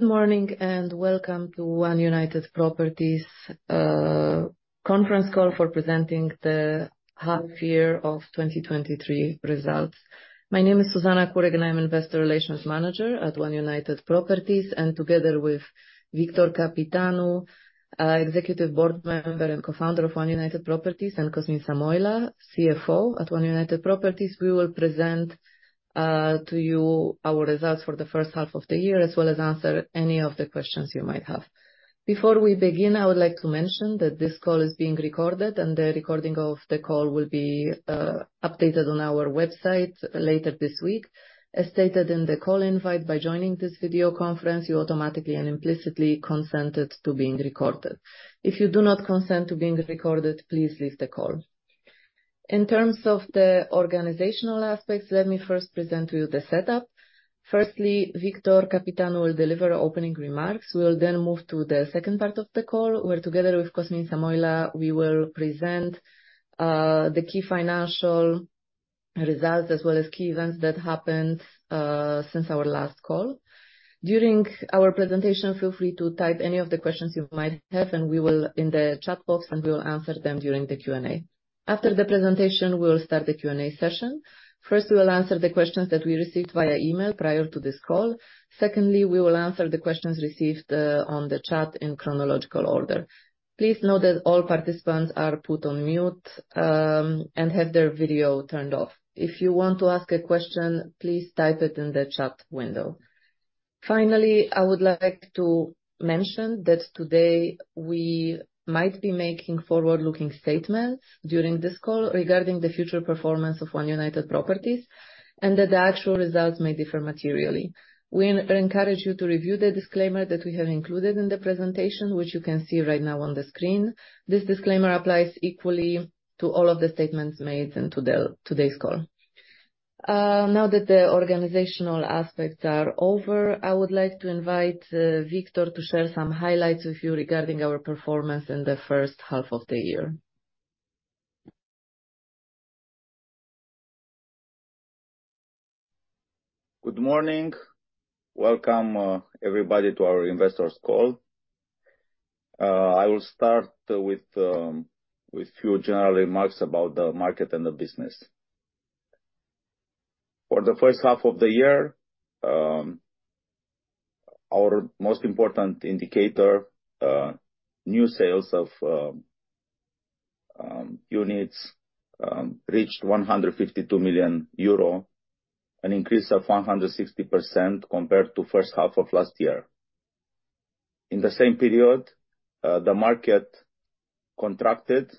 Good morning, and welcome to One United Properties conference call for presenting the half year of 2023 results. My name is Zuzanna Kurek, and I'm Investor Relations Manager at One United Properties, and together with Victor Căpitanu, Executive Board Member and Co-founder of One United Properties, and Cosmin Samoilă, CFO at One United Properties, we will present to you our results for the H1 of the year, as well as answer any of the questions you might have. Before we begin, I would like to mention that this call is being recorded, and the recording of the call will be updated on our website later this week. As stated in the call invite, by joining this video conference, you automatically and implicitly consent to it being recorded. If you do not consent to being recorded, please leave the call. In terms of the organizational aspects, let me first present to you the setup. Firstly, Victor Căpitanu will deliver opening remarks. We will then move to the second part of the call, where, together with Cosmin Samoilă, we will present the key financial results, as well as key events that happened since our last call. During our presentation, feel free to type any of the questions you might have, and we will, in the chat box, and we will answer them during the Q&A. After the presentation, we will start the Q&A session. First, we will answer the questions that we received via email prior to this call. Secondly, we will answer the questions received on the chat in chronological order. Please note that all participants are put on mute, and have their video turned off. If you want to ask a question, please type it in the chat window. Finally, I would like to mention that today we might be making forward-looking statements during this call regarding the future performance of One United Properties, and that the actual results may differ materially. We encourage you to review the disclaimer that we have included in the presentation, which you can see right now on the screen. This disclaimer applies equally to all of the statements made in today's call. Now that the organizational aspects are over, I would like to invite Victor to share some highlights with you regarding our performance in the H1 of the year. Good morning. Welcome, everybody, to our investors call. I will start with few general remarks about the market and the business. For the H1 of the year, our most important indicator, new sales of units, reached 152 million euro, an increase of 160% compared to H1 of last year. In the same period, the market contracted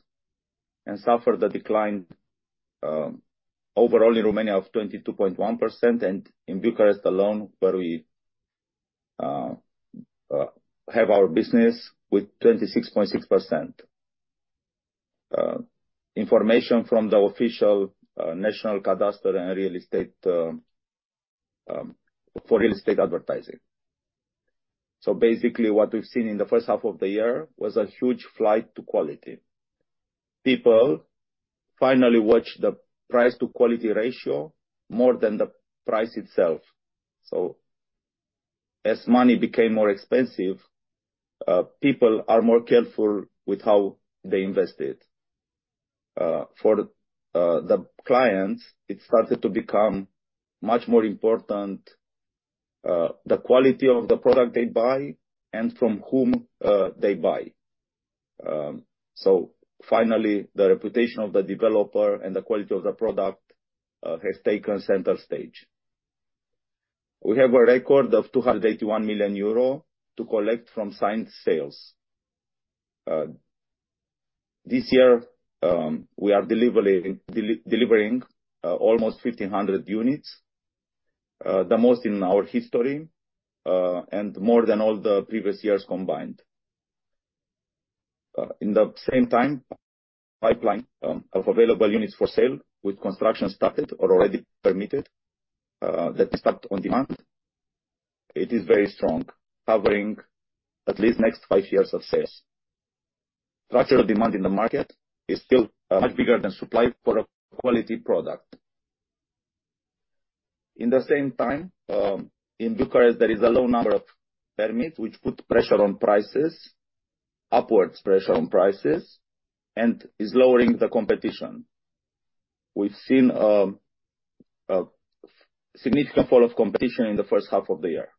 and suffered a decline, overall in Romania of 22.1%, and in Bucharest alone, where we have our business, with 26.6%. Information from the official National Cadastre and Real Estate, for real estate advertising. So basically, what we've seen in the H1 of the year was a huge flight to quality. People finally watched the price to quality ratio more than the price itself. So as money became more expensive, people are more careful with how they invest it. For the clients, it started to become much more important, the quality of the product they buy and from whom they buy. So finally, the reputation of the developer and the quality of the product has taken center stage. We have a record of 281 million euro to collect from signed sales. This year, we are delivering almost 1,500 units, the most in our history, and more than all the previous years combined. In the same time, pipeline of available units for sale with construction started or already permitted, that start on demand, it is very strong, covering at least next five years of sales. Structural demand in the market is still much bigger than supply for a quality product. In the same time, in Bucharest, there is a low number of permits which put pressure on prices, upwards pressure on prices, and is lowering the competition. We've seen a significant fall of competition in the H1 of the year.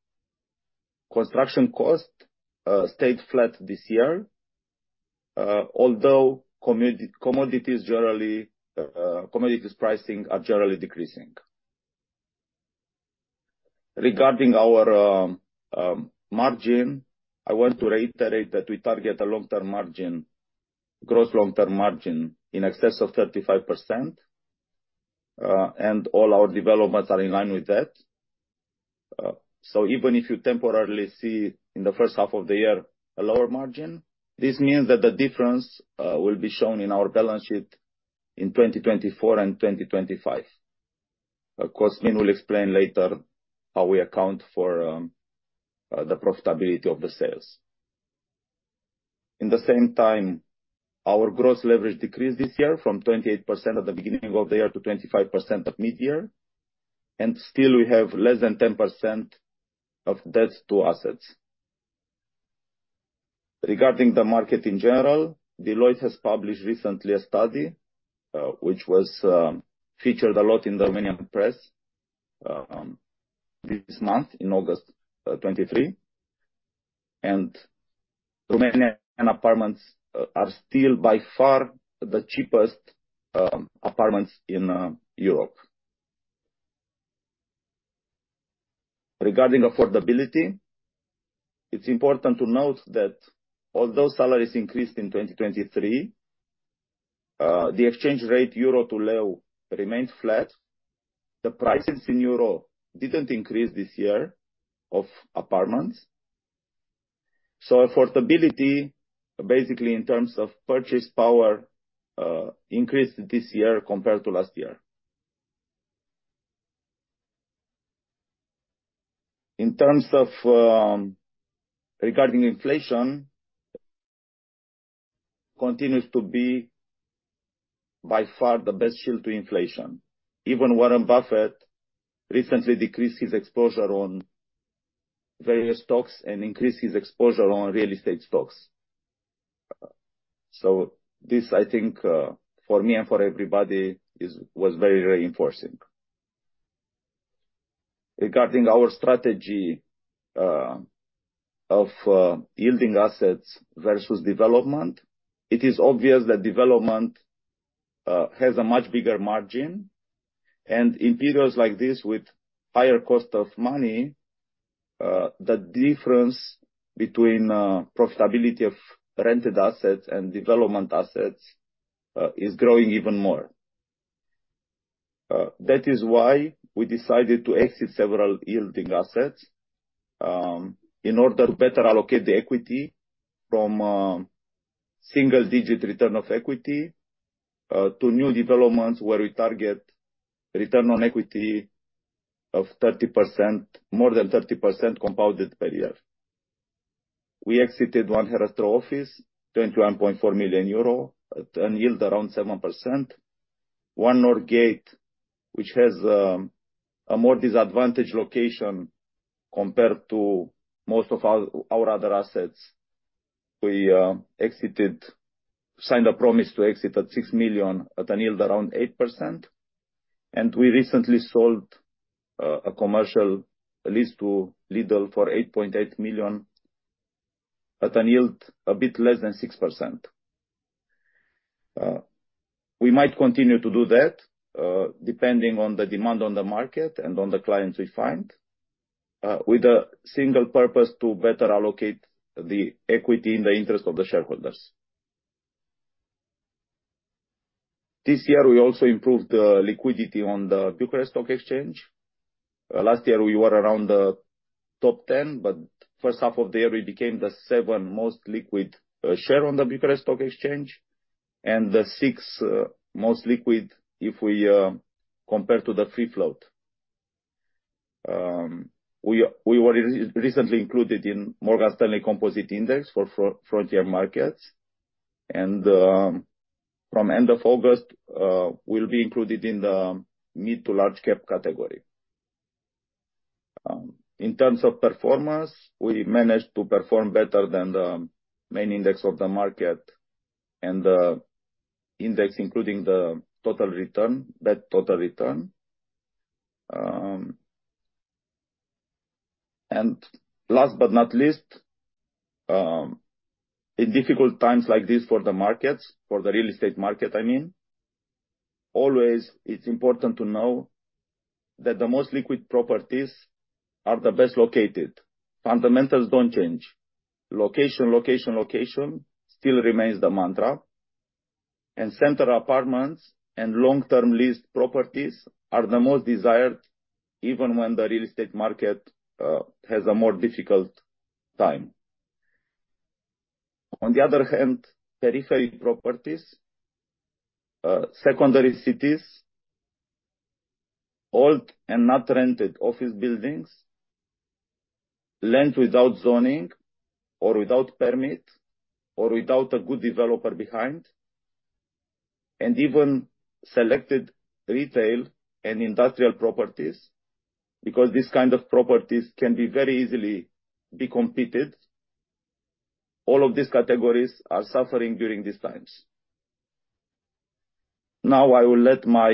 Construction cost stayed flat this year, although commodities generally, commodities pricing are generally decreasing. Regarding our margin, I want to reiterate that we target a long-term margin, gross long-term margin in excess of 35%, and all our developments are in line with that. So even if you temporarily see in the H1 of the year a lower margin, this means that the difference will be shown in our balance sheet in 2024 and 2025. Cosmin will explain later how we account for the profitability of the sales. In the same time, our gross leverage decreased this year from 28% at the beginning of the year to 25% at mid-year, and still we have less than 10% of debts to assets. Regarding the market in general, Deloitte has published recently a study, which was featured a lot in the Romanian press, this month, in August 2023. Romanian apartments are still, by far, the cheapest apartments in Europe. Regarding affordability, it's important to note that although salaries increased in 2023, the exchange rate euro to leu remained flat. The prices in euro didn't increase this year of apartments, so affordability, basically, in terms of purchase power, increased this year compared to last year. In terms of, regarding inflation, continues to be, by far, the best shield to inflation. Even Warren Buffett recently decreased his exposure on various stocks and increased his exposure on real estate stocks. So this, I think, for me and for everybody, was very, very reinforcing. Regarding our strategy, of yielding assets versus development, it is obvious that development has a much bigger margin, and in periods like this, with higher cost of money, the difference between profitability of rented assets and development assets is growing even more. That is why we decided to exit several yielding assets, in order to better allocate the equity from single-digit return of equity to new developments where we target return on equity of 30%... More than 30% compounded per year. We exited One Herastrau Office, 21.4 million euro, at a yield around 7%. One North Gate, which has a more disadvantaged location compared to most of our other assets, we signed a promise to exit at 6 million at a yield around 8%. And we recently sold a commercial lease to Lidl for 8.8 million, at a yield a bit less than 6%. We might continue to do that, depending on the demand on the market and on the clients we find, with a single purpose to better allocate the equity in the interest of the shareholders. This year, we also improved the liquidity on the Bucharest Stock Exchange. Last year, we were around the top ten, but H1 of the year, we became the seventh most liquid share on the Bucharest Stock Exchange, and the sixth most liquid if we compare to the free float. We were recently included in MSCI Composite Index for Frontier Markets, and from end of August, we'll be included in the mid-to-large cap category. In terms of performance, we managed to perform better than the main index of the market and the index, including the total return, that total return. And last but not least, in difficult times like this for the markets, for the real estate market, I mean, always, it's important to know that the most liquid properties are the best located. Fundamentals don't change. Location, location, location still remains the mantra, and center apartments and long-term lease properties are the most desired, even when the real estate market has a more difficult time. On the other hand, periphery properties, secondary cities, old and not rented office buildings, land without zoning or without permit or without a good developer behind, and even selected retail and industrial properties, because these kind of properties can be very easily be competed. All of these categories are suffering during these times. Now, I will let my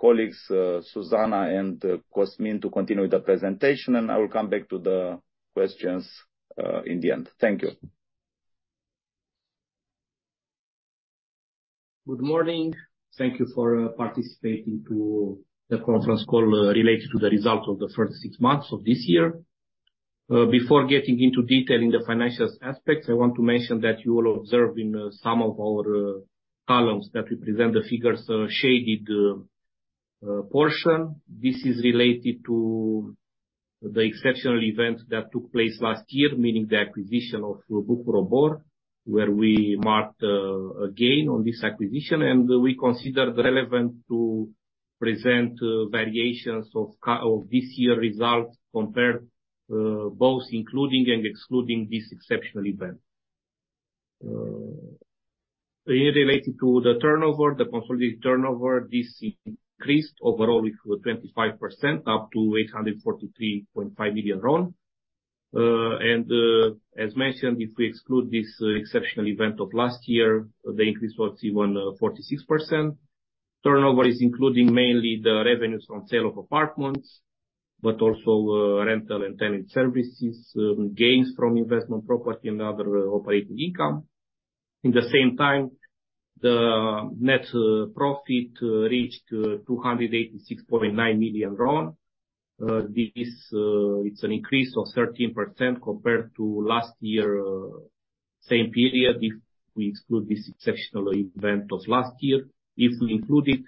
colleagues, Zuzanna and Cosmin, to continue with the presentation, and I will come back to the questions, in the end. Thank you. Good morning. Thank you for participating to the conference call related to the results of the first six months of this year. Before getting into detail in the financials aspects, I want to mention that you will observe in some of our columns that we present the figures shaded portion. This is related to the exceptional event that took place last year, meaning the acquisition of Bucur Obor, where we marked a gain on this acquisition, and we considered relevant to present variations of this year results compared both including and excluding this exceptional event. Related to the turnover, the consolidated turnover, this increased overall with 25%, up to RON 843.5 million. As mentioned, if we exclude this exceptional event of last year, the increase was even 46%. Turnover is including mainly the revenues from sale of apartments, but also rental and tenant services, gains from investment property and other operating income. In the same time, the net profit reached RON 286.9 million. This, it's an increase of 13% compared to last year same period, if we exclude this exceptional event of last year. If we include it,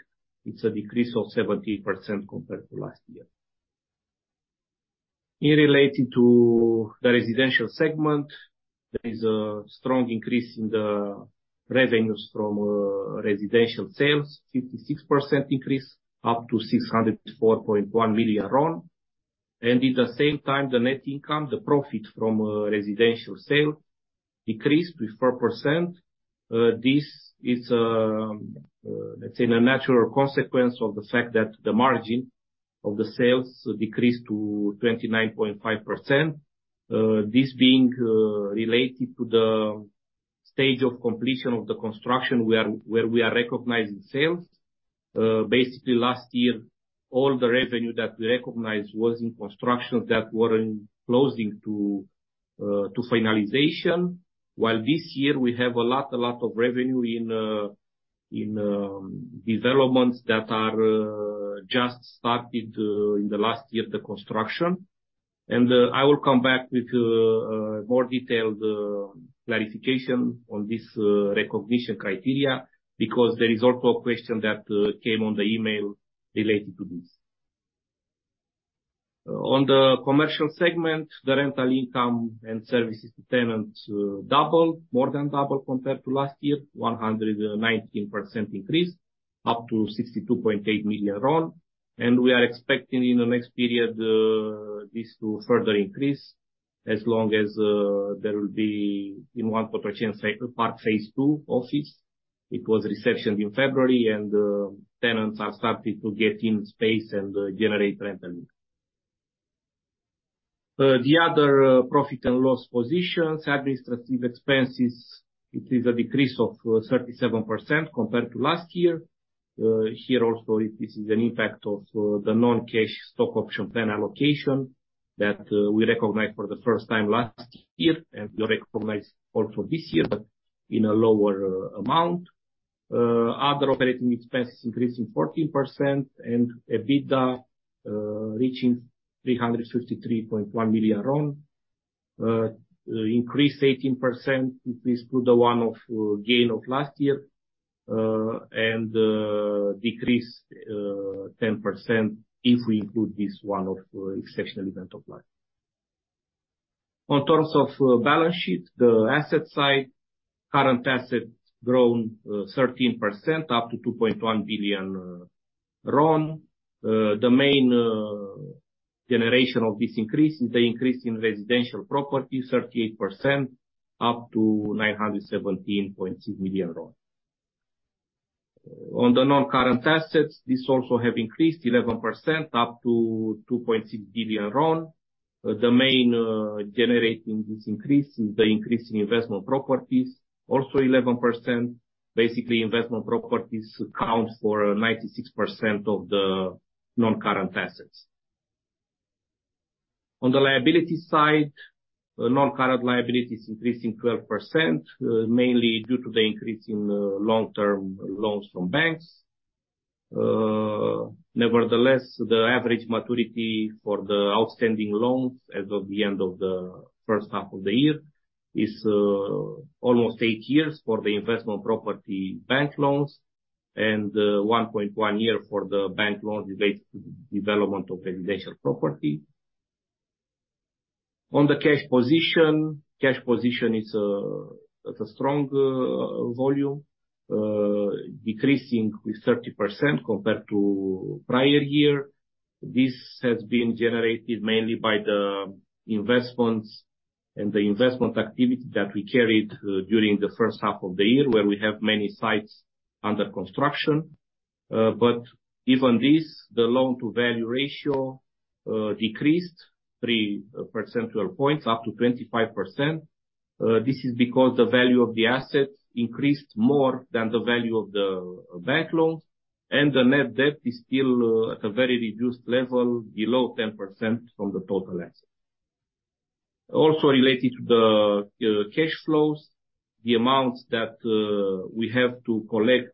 it's a decrease of 17% compared to last year. In relating to the residential segment, there is a strong increase in the revenues from residential sales, 56% increase, up to RON 604.1 million. At the same time, the net income, the profit from residential sale decreased with 4%. This is, let's say, a natural consequence of the fact that the margin of the sales decreased to 29.5%. This being related to the stage of completion of the construction where we are recognizing sales. Basically last year, all the revenue that we recognized was in construction that were close to finalization. While this year we have a lot, a lot of revenue in developments that are just started in the last year, the construction. And I will come back with a more detailed clarification on this recognition criteria, because there is also a question that came on the email related to this. On the commercial segment, the rental income and services to tenants double, more than double compared to last year, 119% increase, up to 62.8 million RON. And we are expecting in the next period, this to further increase as long as there will be in One Cotroceni Park phase two office. It was receptioned in February, and tenants are starting to get in space and generate rental. The other profit and loss positions, administrative expenses, it is a decrease of 37% compared to last year. Here also, this is an impact of the non-cash stock option plan allocation that we recognized for the first time last year, and we recognized also this year, but in a lower amount. Other operating expenses increased in 14% and EBITDA reaching RON 353.1 million. Increase 18% if we exclude the one-off gain of last year, and decrease 10% if we include this one-off exceptional event of last. In terms of balance sheet, the asset side, current assets grown 13%, up to RON 2.1 billion. The main generation of this increase is the increase in residential property, 38%, up to RON 917.6 million. On the non-current assets, this also have increased 11%, up to RON 2.6 billion. The main generating this increase is the increase in investment properties, also 11%. Basically, investment properties account for 96% of the non-current assets. On the liability side, non-current liabilities increasing 12%, mainly due to the increase in long-term loans from banks. Nevertheless, the average maturity for the outstanding loans as of the end of the H1 of the year is almost 8 years for the investment property bank loans and 1.1 years for the bank loans related to development of residential property. On the cash position, cash position is at a strong volume, decreasing 30% compared to prior year. This has been generated mainly by the investments and the investment activity that we carried during the H1 of the year, where we have many sites under construction. But even this, the loan-to-value ratio decreased three percentage points up to 25%. This is because the value of the assets increased more than the value of the bank loans, and the net debt is still at a very reduced level, below 10% from the total asset. Also related to the cash flows, the amounts that we have to collect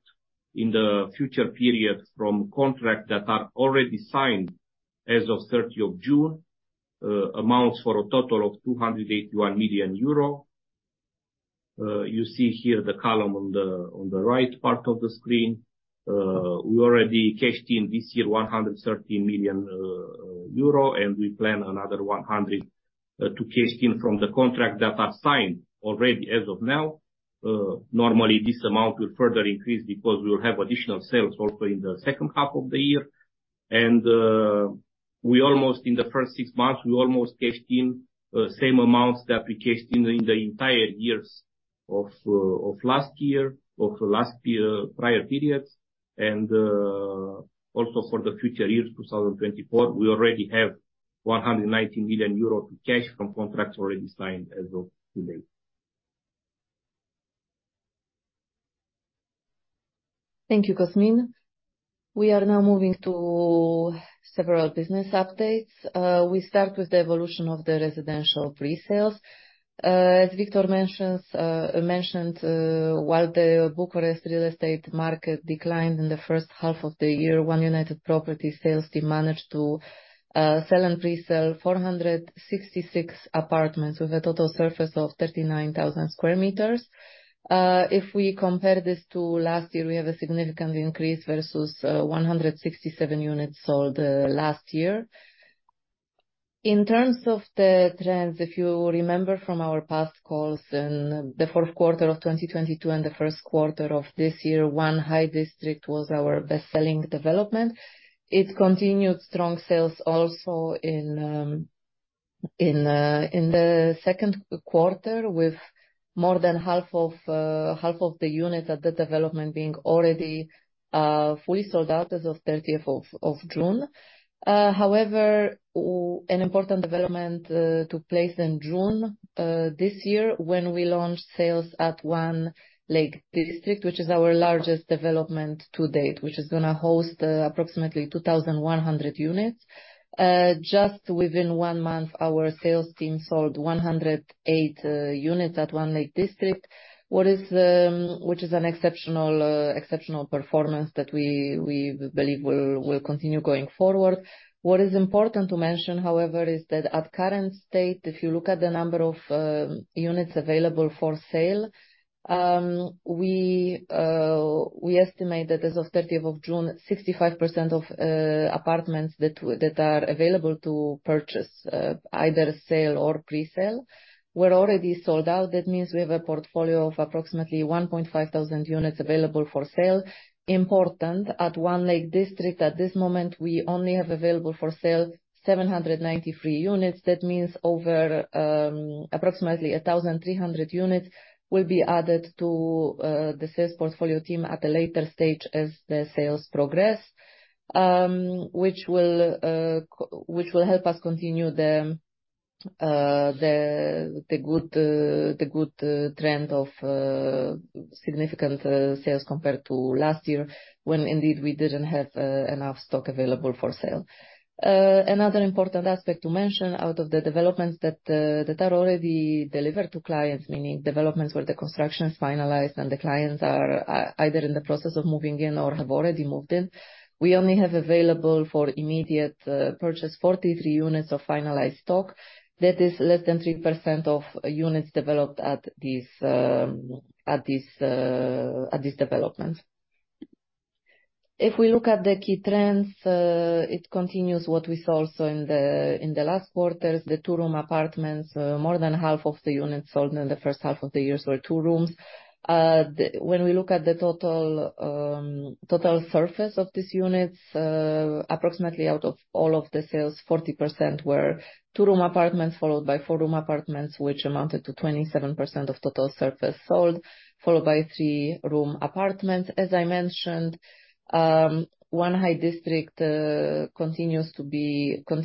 in the future periods from contracts that are already signed as of June 30th, amounts for a total of 281 million euro. You see here the column on the right part of the screen. We already cashed in this year 113 million euro, and we plan another 100 to cash in from the contract that are signed already as of now. Normally this amount will further increase because we will have additional sales also in the H2 of the year. We almost, in the first six months, we almost cashed in same amounts that we cashed in, in the entire years of, of last year, of last year prior periods. Also for the future years, 2024, we already have 190 million euros cash from contracts already signed as of today. Thank you, Cosmin. We are now moving to several business updates. We start with the evolution of the residential pre-sales. As Victor mentioned, while the Bucharest real estate market declined in the H1 of the year, One United Properties sales team managed to sell and pre-sell 466 apartments, with a total surface of 39,000 square meters. If we compare this to last year, we have a significant increase versus 167 units sold last year. In terms of the trends, if you remember from our past calls in the fourth quarter of 2022 and the first quarter of this year, One High District was our best-selling development. It continued strong sales also in the second quarter, with more than half of the units at the development being already fully sold out as of 30th of June. However, an important development took place in June this year, when we launched sales at One Lake District, which is our largest development to date, which is gonna host approximately 2,100 units. Just within 1 month, our sales team sold 108 units at One Lake District, which is an exceptional performance that we believe will continue going forward. What is important to mention, however, is that at current state, if you look at the number of units available for sale, we estimate that as of 30th of June, 65% of apartments that are available to purchase, either sale or pre-sale, were already sold out. That means we have a portfolio of approximately 1,500 units available for sale. Important, at One Lake District, at this moment, we only have available for sale 793 units. That means over approximately 1,300 units will be added to the sales portfolio team at a later stage as the sales progress. which will help us continue the good trend of significant sales compared to last year, when indeed we didn't have enough stock available for sale. Another important aspect to mention, out of the developments that are already delivered to clients, meaning developments where the construction is finalized and the clients are either in the process of moving in or have already moved in, we only have available for immediate purchase, 43 units of finalized stock. That is less than 3% of units developed at this development. If we look at the key trends, it continues what we saw also in the last quarters. The two-room apartments, more than half of the units sold in the H1 of the year were two rooms. When we look at the total surface of these units, approximately out of all of the sales, 40% were two-room apartments, followed by four-room apartments, which amounted to 27% of total surface sold, followed by three-room apartments. As I mentioned, One High District continues to be, for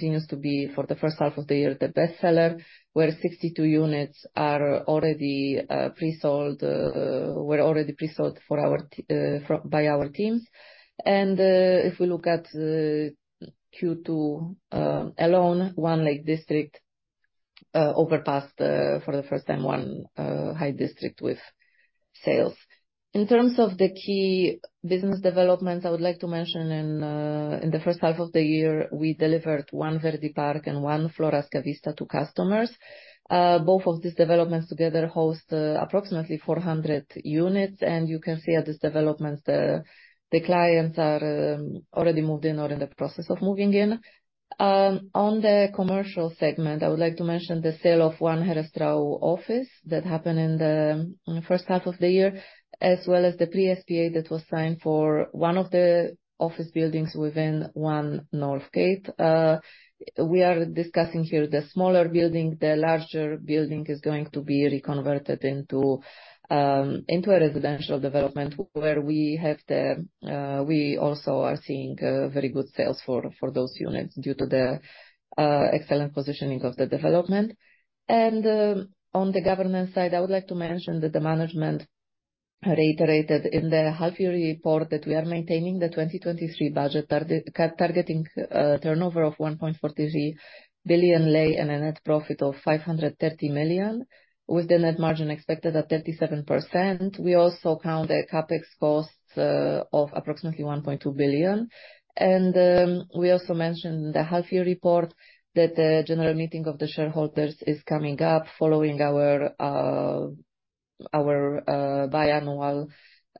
the H1 of the year, the best seller, where 62 units were already pre-sold by our teams. And, if we look at Q2 alone, One Lake District surpassed, for the first time, One High District with sales. In terms of the key business developments, I would like to mention in the H1 of the year, we delivered One Verdi Park and One Floreasca Vista to customers. Both of these developments together host approximately 400 units, and you can see at this development, the clients are already moved in or in the process of moving in. On the commercial segment, I would like to mention the sale of One Herastrau Office that happened in the H1 of the year, as well as the Pre-SPA that was signed for one of the office buildings within One North Gate. We are discussing here the smaller building. The larger building is going to be reconverted into, into a residential development, where we have the, we also are seeing, very good sales for, for those units due to the, excellent positioning of the development. On the governance side, I would like to mention that the management reiterated in the half-year report that we are maintaining the 2023 budget, targeting a turnover of RON 1.43 billion and a net profit of RON 530 million, with the net margin expected at 37%. We also count the CapEx costs, of approximately RON 1.2 billion. We also mentioned the half-year report that the general meeting of the shareholders is coming up following our biannual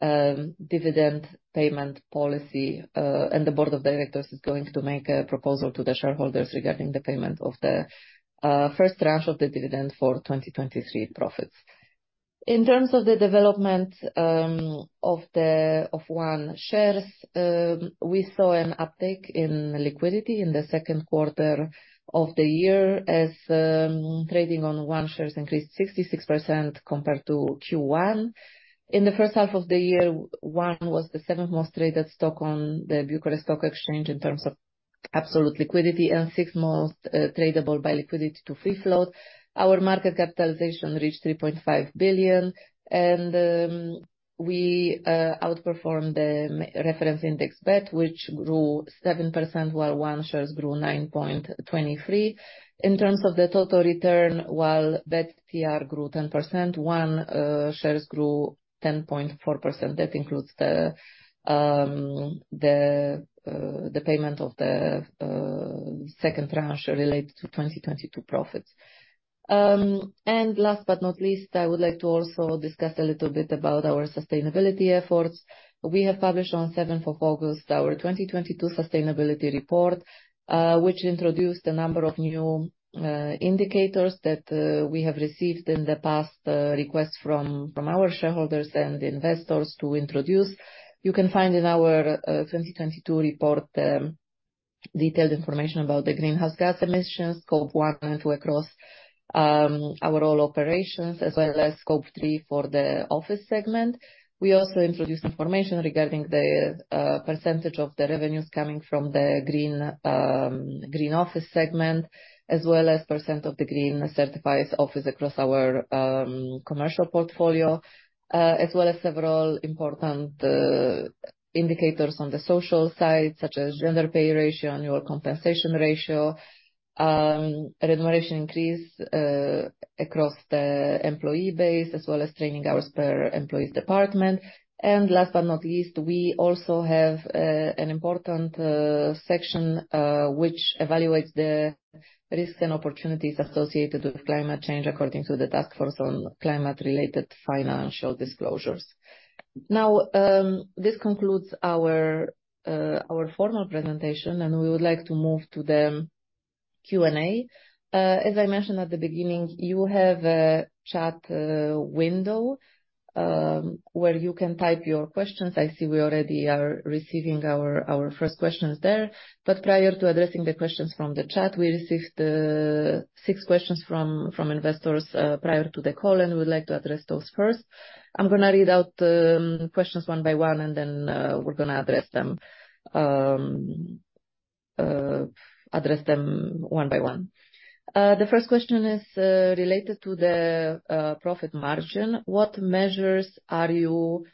dividend payment policy, and the board of directors is going to make a proposal to the shareholders regarding the payment of the first tranche of the dividend for 2023 profits. In terms of the development of One shares, we saw an uptick in liquidity in the second quarter of the year as trading on One shares increased 66% compared to Q1. In the H1 of the year, One was the seventh most traded stock on the Bucharest Stock Exchange in terms of absolute liquidity, and sixth most tradable by liquidity to free float. Our market capitalization reached RON 3.5 billion, and we outperformed the reference index BET, which grew 7%, while One shares grew 9.23%. In terms of the total return, while BET TR grew 10%, One shares grew 10.4%. That includes the payment of the second tranche related to 2022 profits. And last but not least, I would like to also discuss a little bit about our sustainability efforts. We have published on August 7, our 2022 sustainability report, which introduced a number of new indicators that we have received in the past request from our shareholders and investors to introduce. You can find in our 2022 report detailed information about the greenhouse gas emissions, Scope 1 and Scope 2 across our all operations, as well as Scope 3 for the office segment. We also introduced information regarding the percentage of the revenues coming from the green green office segment, as well as percent of the green certified office across our commercial portfolio. As well as several important indicators on the social side, such as gender pay ratio, annual compensation ratio, remuneration increase across the employee base, as well as training hours per employees department. And last but not least, we also have an important section which evaluates the risks and opportunities associated with climate change, according to the Task Force on Climate-related Financial Disclosures. Now, this concludes our formal presentation, and we would like to move to the Q&A. As I mentioned at the beginning, you have a chat window where you can type your questions. I see we already are receiving our first questions there. But prior to addressing the questions from the chat, we received six questions from investors prior to the call, and we would like to address those first. I'm going to read out the questions one by one, and then we're going to address them one by one. The first question is related to the profit margin. What measures are you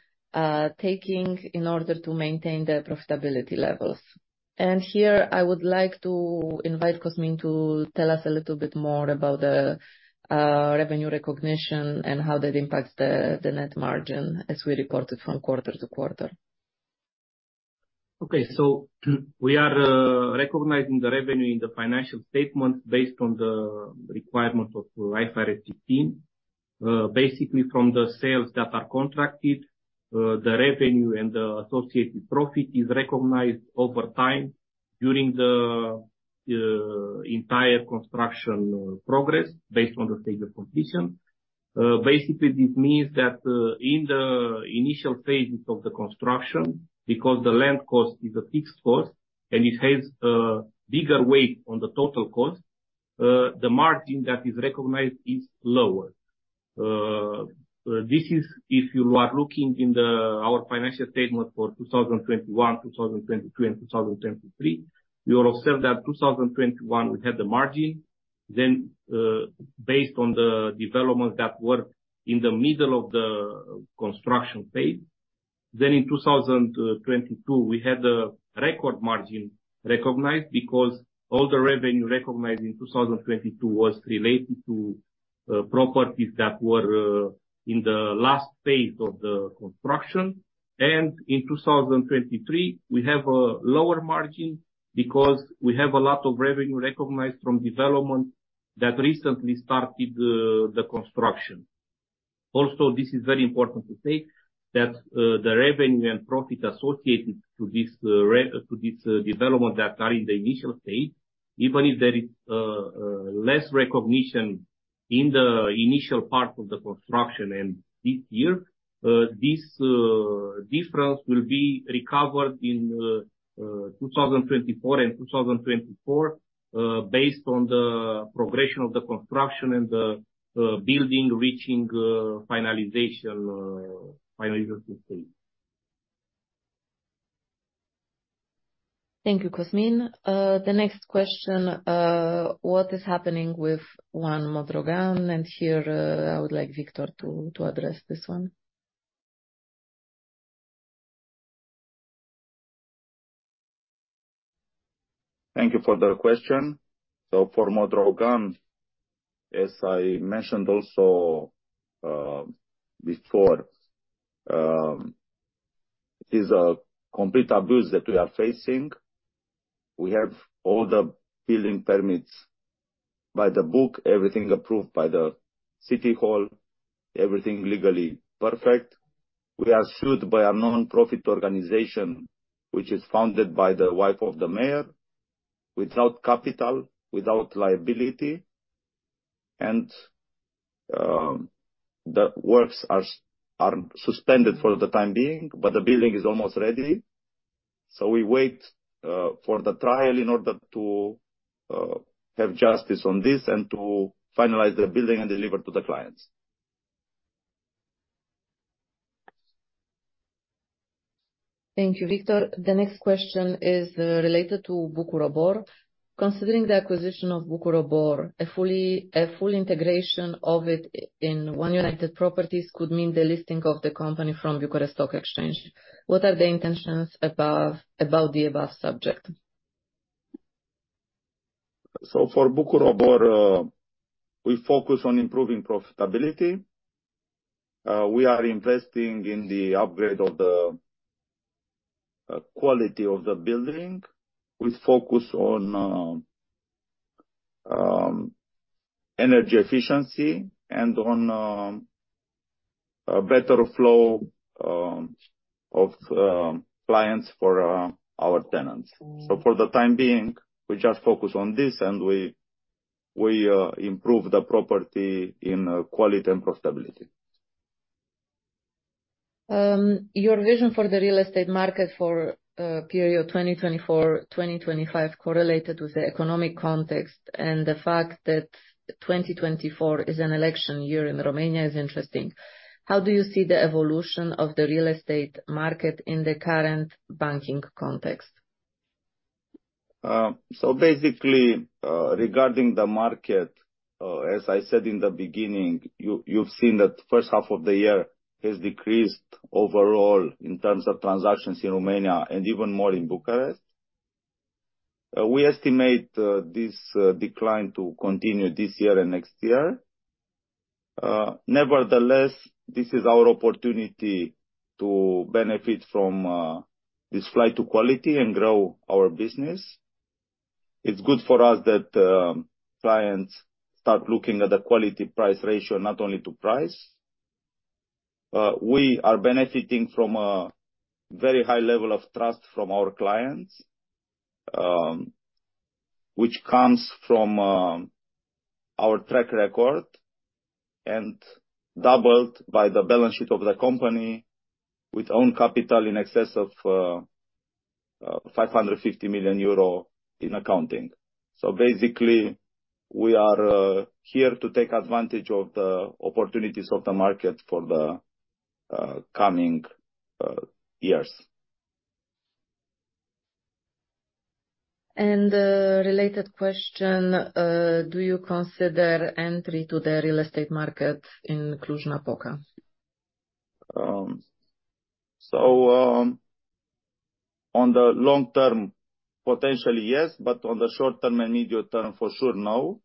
taking in order to maintain the profitability levels? Here, I would like to invite Cosmin to tell us a little bit more about the revenue recognition and how that impacts the net margin as we report it from quarter to quarter. Okay, so, we are recognizing the revenue in the financial statements based on the requirements of IFRS 15. Basically, from the sales that are contracted, the revenue and the associated profit is recognized over time during the entire construction progress, based on the stage of completion. Basically, this means that, in the initial phases of the construction, because the land cost is a fixed cost and it has a bigger weight on the total cost, the margin that is recognized is lower. This is if you are looking in our financial statement for 2021, 2022, and 2023, you will observe that 2021, we had the margin. Based on the developments that were in the middle of the construction phase, then in 2022, we had a record margin recognized because all the revenue recognized in 2022 was related to properties that were in the last phase of the construction. And in 2023, we have a lower margin because we have a lot of revenue recognized from development that recently started the construction. Also, this is very important to say that the revenue and profit associated to this development that are in the initial stage, even if there is less recognition in the initial part of the construction and this year, this difference will be recovered in 2024 and 2024, based on the progression of the construction and the building reaching finalization state. Thank you, Cosmin. The next question: What is happening with One Modrogan? And here, I would like Victor to address this one. Thank you for the question. So for Modrogan, as I mentioned also, before, it is a complete abuse that we are facing. We have all the building permits by the book, everything approved by the city hall, everything legally perfect. We are sued by a nonprofit organization, which is founded by the wife of the mayor without capital, without liability, and the works are suspended for the time being, but the building is almost ready. So we wait for the trial in order to have justice on this and to finalize the building and deliver to the clients. Thank you, Victor. The next question is related to Bucur Obor. Considering the acquisition of Bucur Obor, a full integration of it in One United Properties could mean the listing of the company from Bucharest Stock Exchange. What are the intentions above, about the above subject? So for Bucur Obor, we focus on improving profitability. We are investing in the upgrade of the quality of the building. We focus on energy efficiency and on a better flow of clients for our tenants. So for the time being, we just focus on this, and we improve the property in quality and profitability. Your vision for the real estate market for period 2024-2025, correlated with the economic context and the fact that 2024 is an election year in Romania, is interesting. How do you see the evolution of the real estate market in the current banking context? So basically, regarding the market, as I said in the beginning, you've seen that H1 of the year has decreased overall in terms of transactions in Romania and even more in Bucharest. We estimate this decline to continue this year and next year. Nevertheless, this is our opportunity to benefit from this flight to quality and grow our business. It's good for us that clients start looking at the quality-price ratio, not only to price. We are benefiting from a very high level of trust from our clients, which comes from our track record and doubled by the balance sheet of the company, with own capital in excess of 550 million euro in accounting. So basically, we are here to take advantage of the opportunities of the market for the coming years. A related question, do you consider entry to the real estate market in Cluj-Napoca? So, on the long term, potentially, yes, but on the short term and medium term, for sure, no.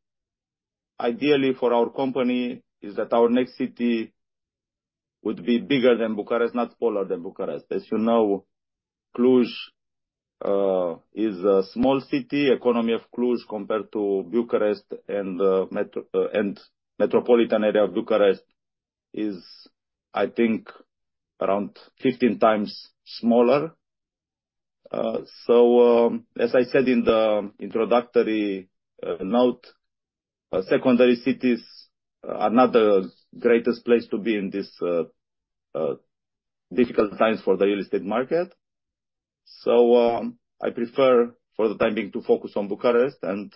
Ideally, for our company, is that our next city would be bigger than Bucharest, not smaller than Bucharest. As you know, Cluj is a small city. Economy of Cluj, compared to Bucharest and metropolitan area of Bucharest, is, I think, around 15x smaller. So, as I said in the introductory note, secondary cities are not the greatest place to be in this difficult times for the real estate market. So, I prefer, for the time being, to focus on Bucharest and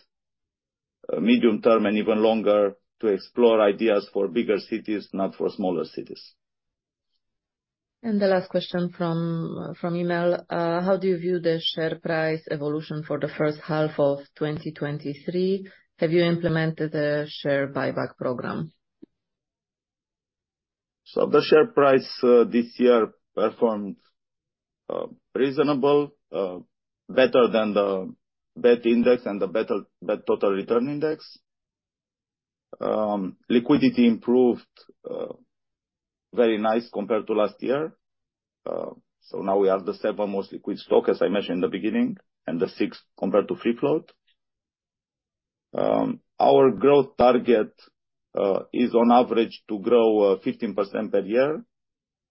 medium-term and even longer, to explore ideas for bigger cities, not for smaller cities. The last question from email, how do you view the share price evolution for the H1 of 2023? Have you implemented a share buyback program? So the share price this year performed reasonable better than the BET index and the BET Total Return index. Liquidity improved very nice compared to last year. So now we have the seventh most liquid stock, as I mentioned in the beginning, and the sixth compared to free float. Our growth target is on average to grow 15% per year.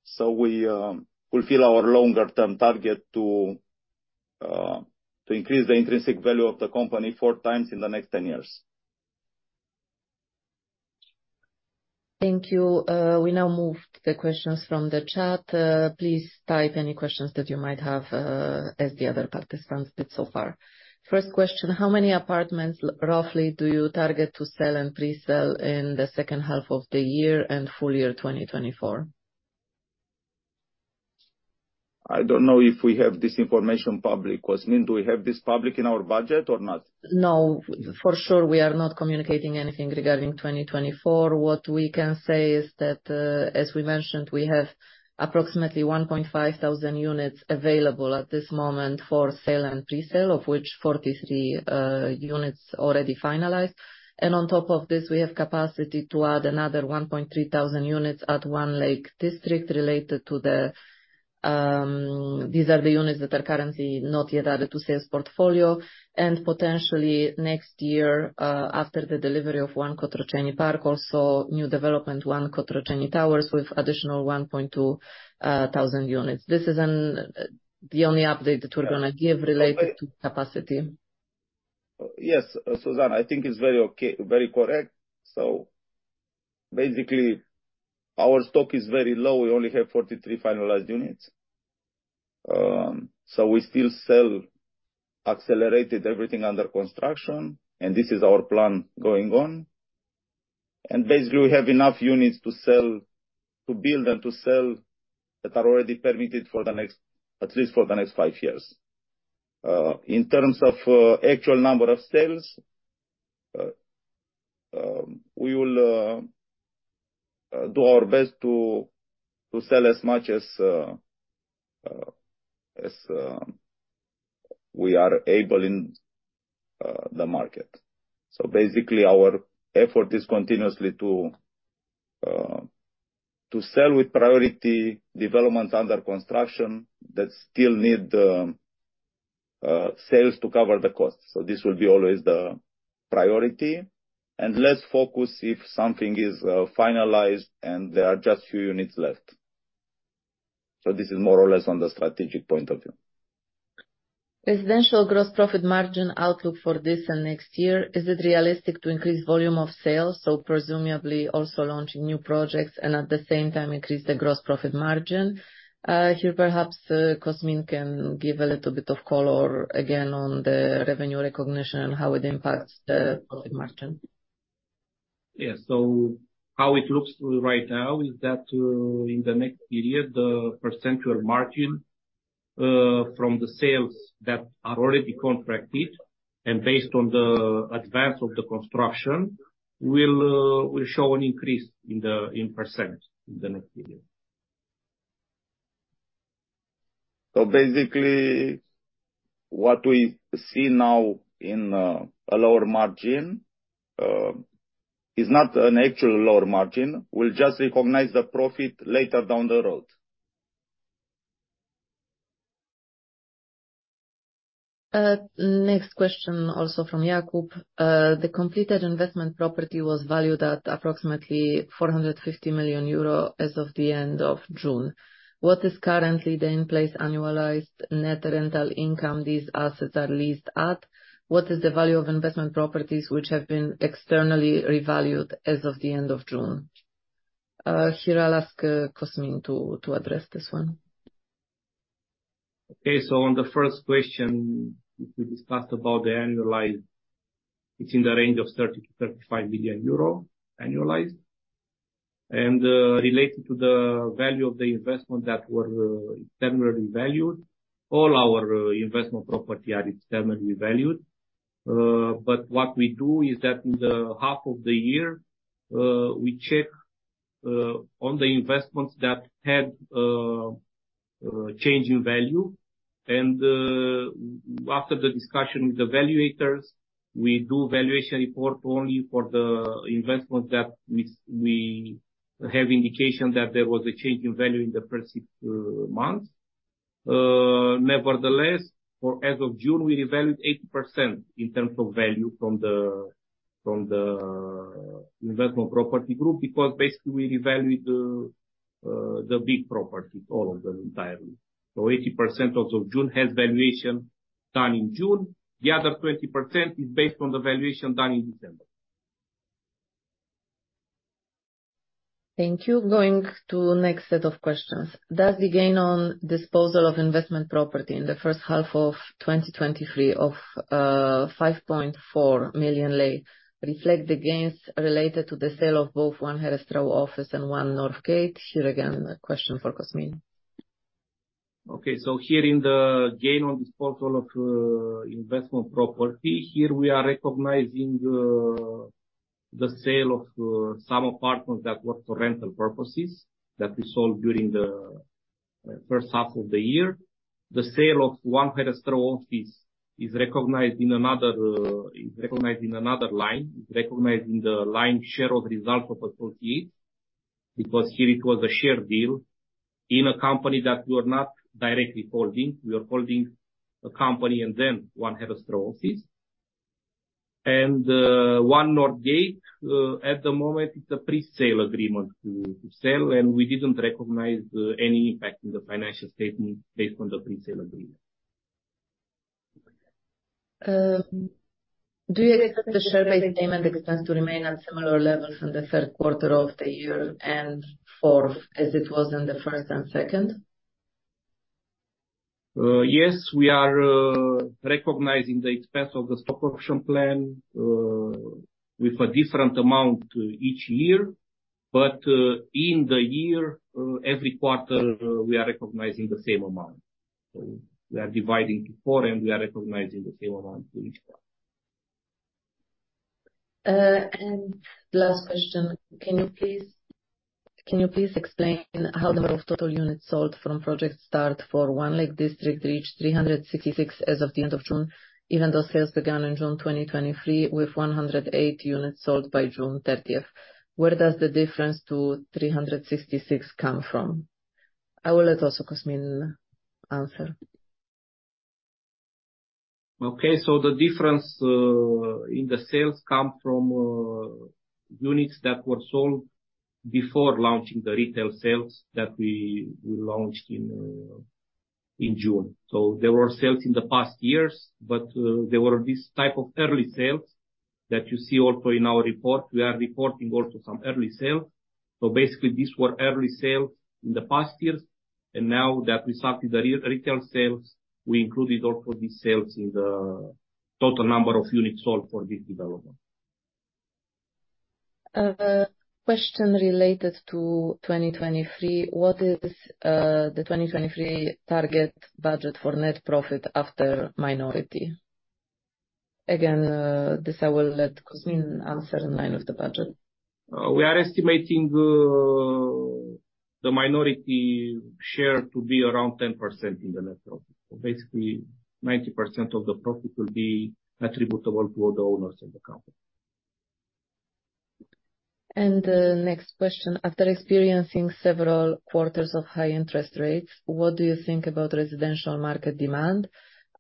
So we fulfill our longer-term target to to increase the intrinsic value of the company four times in the next 10 years. Thank you. We now move to the questions from the chat. Please type any questions that you might have, as the other participants did so far. First question: How many apartments, roughly, do you target to sell and pre-sell in the H2 of the year and full year 2024? I don't know if we have this information public. Cosmin, do we have this public in our budget or not? No. For sure, we are not communicating anything regarding 2024. What we can say is that, as we mentioned, we have approximately 1,500 units available at this moment for sale and pre-sale, of which 43 units already finalized. On top of this, we have capacity to add another 1,300 units at One Lake District related to the. These are the units that are currently not yet added to sales portfolio, and potentially next year, after the delivery of One Cotroceni Park, also new development, One Cotroceni Towers, with additional 1,200 units. This is the only update that we're gonna give related to capacity. Yes, Zuzanna, I think it's very okay, very correct. So, basically, our stock is very low. We only have 43 finalized units. So we still sell accelerated everything under construction, and this is our plan going on. And basically, we have enough units to sell, to build and to sell, that are already permitted for the next, at least for the next five years. In terms of actual number of sales, we will do our best to sell as much as we are able in the market. So basically, our effort is continuously to sell with priority developments under construction that still need sales to cover the costs. So this will be always the priority. And less focus if something is finalized and there are just few units left. This is more or less on the strategic point of view. Residential gross profit margin outlook for this and next year, is it realistic to increase volume of sales, so presumably also launching new projects and at the same time increase the gross profit margin? Here, perhaps, Cosmin can give a little bit of color again on the revenue recognition and how it impacts the profit margin. Yeah. So how it looks right now is that, in the next period, the percentage margin, from the sales that are already contracted and based on the advance of the construction, will, will show an increase in the... in percent in the next period. So basically, what we see now in a lower margin is not an actual lower margin. We'll just recognize the profit later down the road. Next question, also from Jakub: The completed investment property was valued at approximately 450 million euro as of the end of June. What is currently the in-place annualized net rental income these assets are leased at? What is the value of investment properties which have been externally revalued as of the end of June? Here I'll ask Cosmin to address this one. Okay, so on the first question, we discussed about the annualized. It's in the range of 30 million-35 million euro, annualized. And, related to the value of the investment that were, externally valued, all our, investment property are externally valued. But what we do is that in the half of the year, we check, on the investments that had, change in value. And, after the discussion with the valuators, we do valuation report only for the investment that we have indication that there was a change in value in the first 6 months. Nevertheless, as of June, we revalued 80% in terms of value from the, from the investment property group, because basically we revalued the, the big properties, all of them, entirely. 80% as of June has valuation done in June. The other 20% is based on the valuation done in December. Thank you. Going to next set of questions. Does the gain on disposal of investment property in the H1 of 2023 of RON 5.4 million lei reflect the gains related to the sale of both One Herastrau Office and One North Gate? Here again, a question for Cosmin. Okay, so here in the gain on disposal of investment property, here we are recognizing the sale of some apartments that were for rental purposes, that we sold during the H1 of the year. The sale of One Herăstrău Office is recognized in another line, is recognized in the line share of results of associates, because here it was a share deal in a company that we are not directly holding. We are holding a company and then One Herăstrău Office. And One North Gate at the moment, it's a pre-sale agreement to sell, and we didn't recognize any impact in the financial statement based on the pre-sale agreement. Do you expect the share-based payment expense to remain at similar levels in the third quarter of the year and fourth, as it was in the first and second? Yes, we are recognizing the expense of the Stock Option Plan with a different amount each year. But in the year every quarter we are recognizing the same amount. So we are dividing 4, and we are recognizing the same amount for each one. And last question: Can you please, can you please explain how the number of total units sold from project start for One Lake District reached 366 as of the end of June, even though sales began in June 2023, with 108 units sold by June 30th? Where does the difference to 366 come from? I will let also Cosmin answer. Okay, so the difference in the sales come from units that were sold before launching the retail sales that we, we launched in June. So there were sales in the past years, but there were this type of early sales that you see also in our report. We are reporting also some early sales. So basically, these were early sales in the past years, and now that we started the retail sales, we included also these sales in the total number of units sold for this development. Question related to 2023: What is the 2023 target budget for net profit after minority? Again, this I will let Cosmin answer in line with the budget. We are estimating the minority share to be around 10% in the net profit. Basically, 90% of the profit will be attributable to all the owners of the company. And, next question: After experiencing several quarters of high interest rates, what do you think about residential market demand?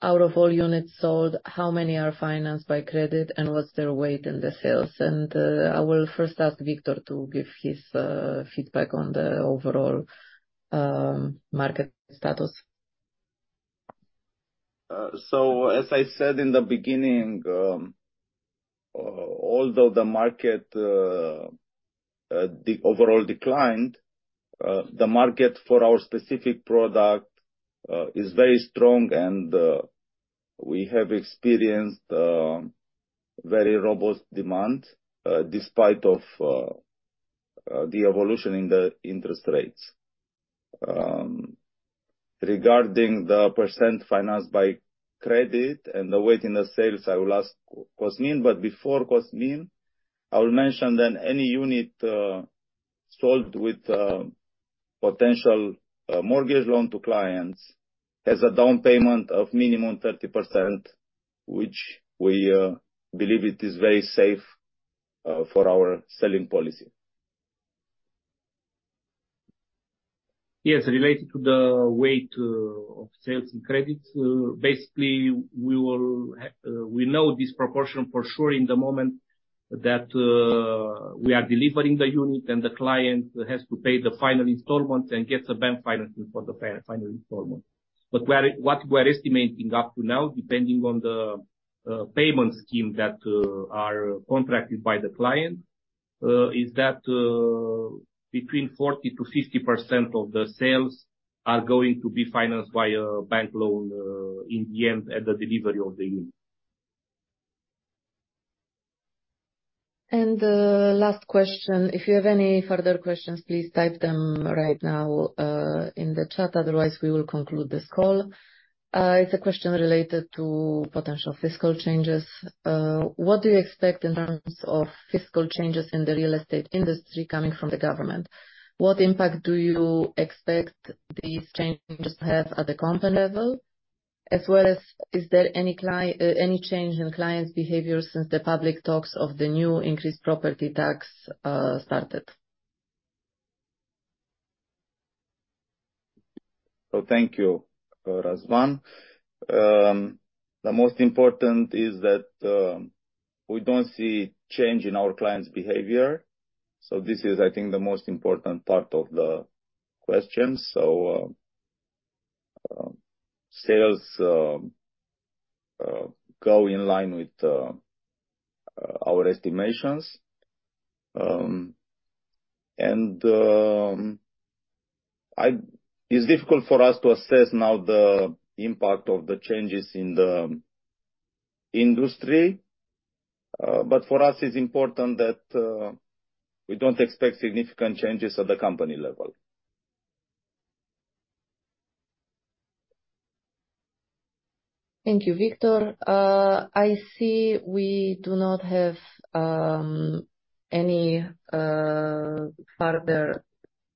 Out of all units sold, how many are financed by credit, and what's their weight in the sales? And, I will first ask Victor to give his feedback on the overall market status. So as I said in the beginning, although the market overall declined, the market for our specific product is very strong, and we have experienced very robust demand despite of the evolution in the interest rates. Regarding the percent financed by credit and the weight in the sales, I will ask Cosmin, but before Cosmin, I will mention that any unit sold with potential mortgage loan to clients has a down payment of minimum 30%, which we believe it is very safe for our selling policy. Yes. Related to the weight of sales and credit, basically, we know this proportion for sure in the moment that we are delivering the unit and the client has to pay the final installment and gets a bank financing for the final installment. But we are... What we are estimating up to now, depending on the payment scheme that are contracted by the client, is that between 40%-50% of the sales are going to be financed by a bank loan, in the end, at the delivery of the unit. Last question, if you have any further questions, please type them right now in the chat. Otherwise, we will conclude this call. It's a question related to potential fiscal changes. What do you expect in terms of fiscal changes in the real estate industry coming from the government? What impact do you expect these changes to have at the company level, as well as is there any change in clients' behavior since the public talks of the new increased property tax started? So thank you, Razvan. The most important is that we don't see change in our clients' behavior. So this is, I think, the most important part of the question. So sales go in line with our estimations. It's difficult for us to assess now the impact of the changes in the industry, but for us, it's important that we don't expect significant changes at the company level. Thank you, Victor. I see we do not have any further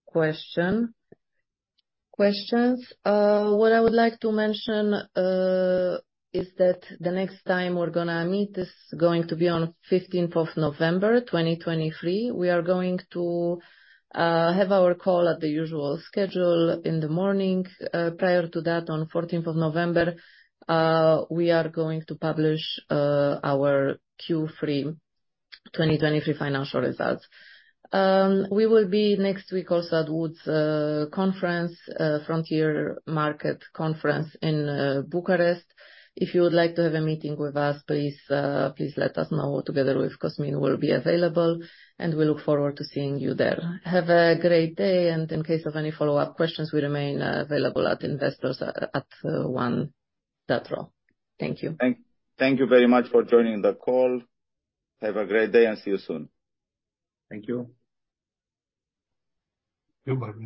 question, questions. What I would like to mention is that the next time we're gonna meet is going to be on the 15th of November, 2023. We are going to have our call at the usual schedule in the morning. Prior to that, on the 14th of November, we are going to publish our Q3 2023 financial results. We will be next week also at Wood's Conference, Frontier Market Conference in Bucharest. If you would like to have a meeting with us, please, please let us know. Together with Cosmin, we'll be available, and we look forward to seeing you there. Have a great day, and in case of any follow-up questions, we remain available at investors@one.ro. Thank you. Thank you very much for joining the call. Have a great day and see you soon. Thank you. You're welcome.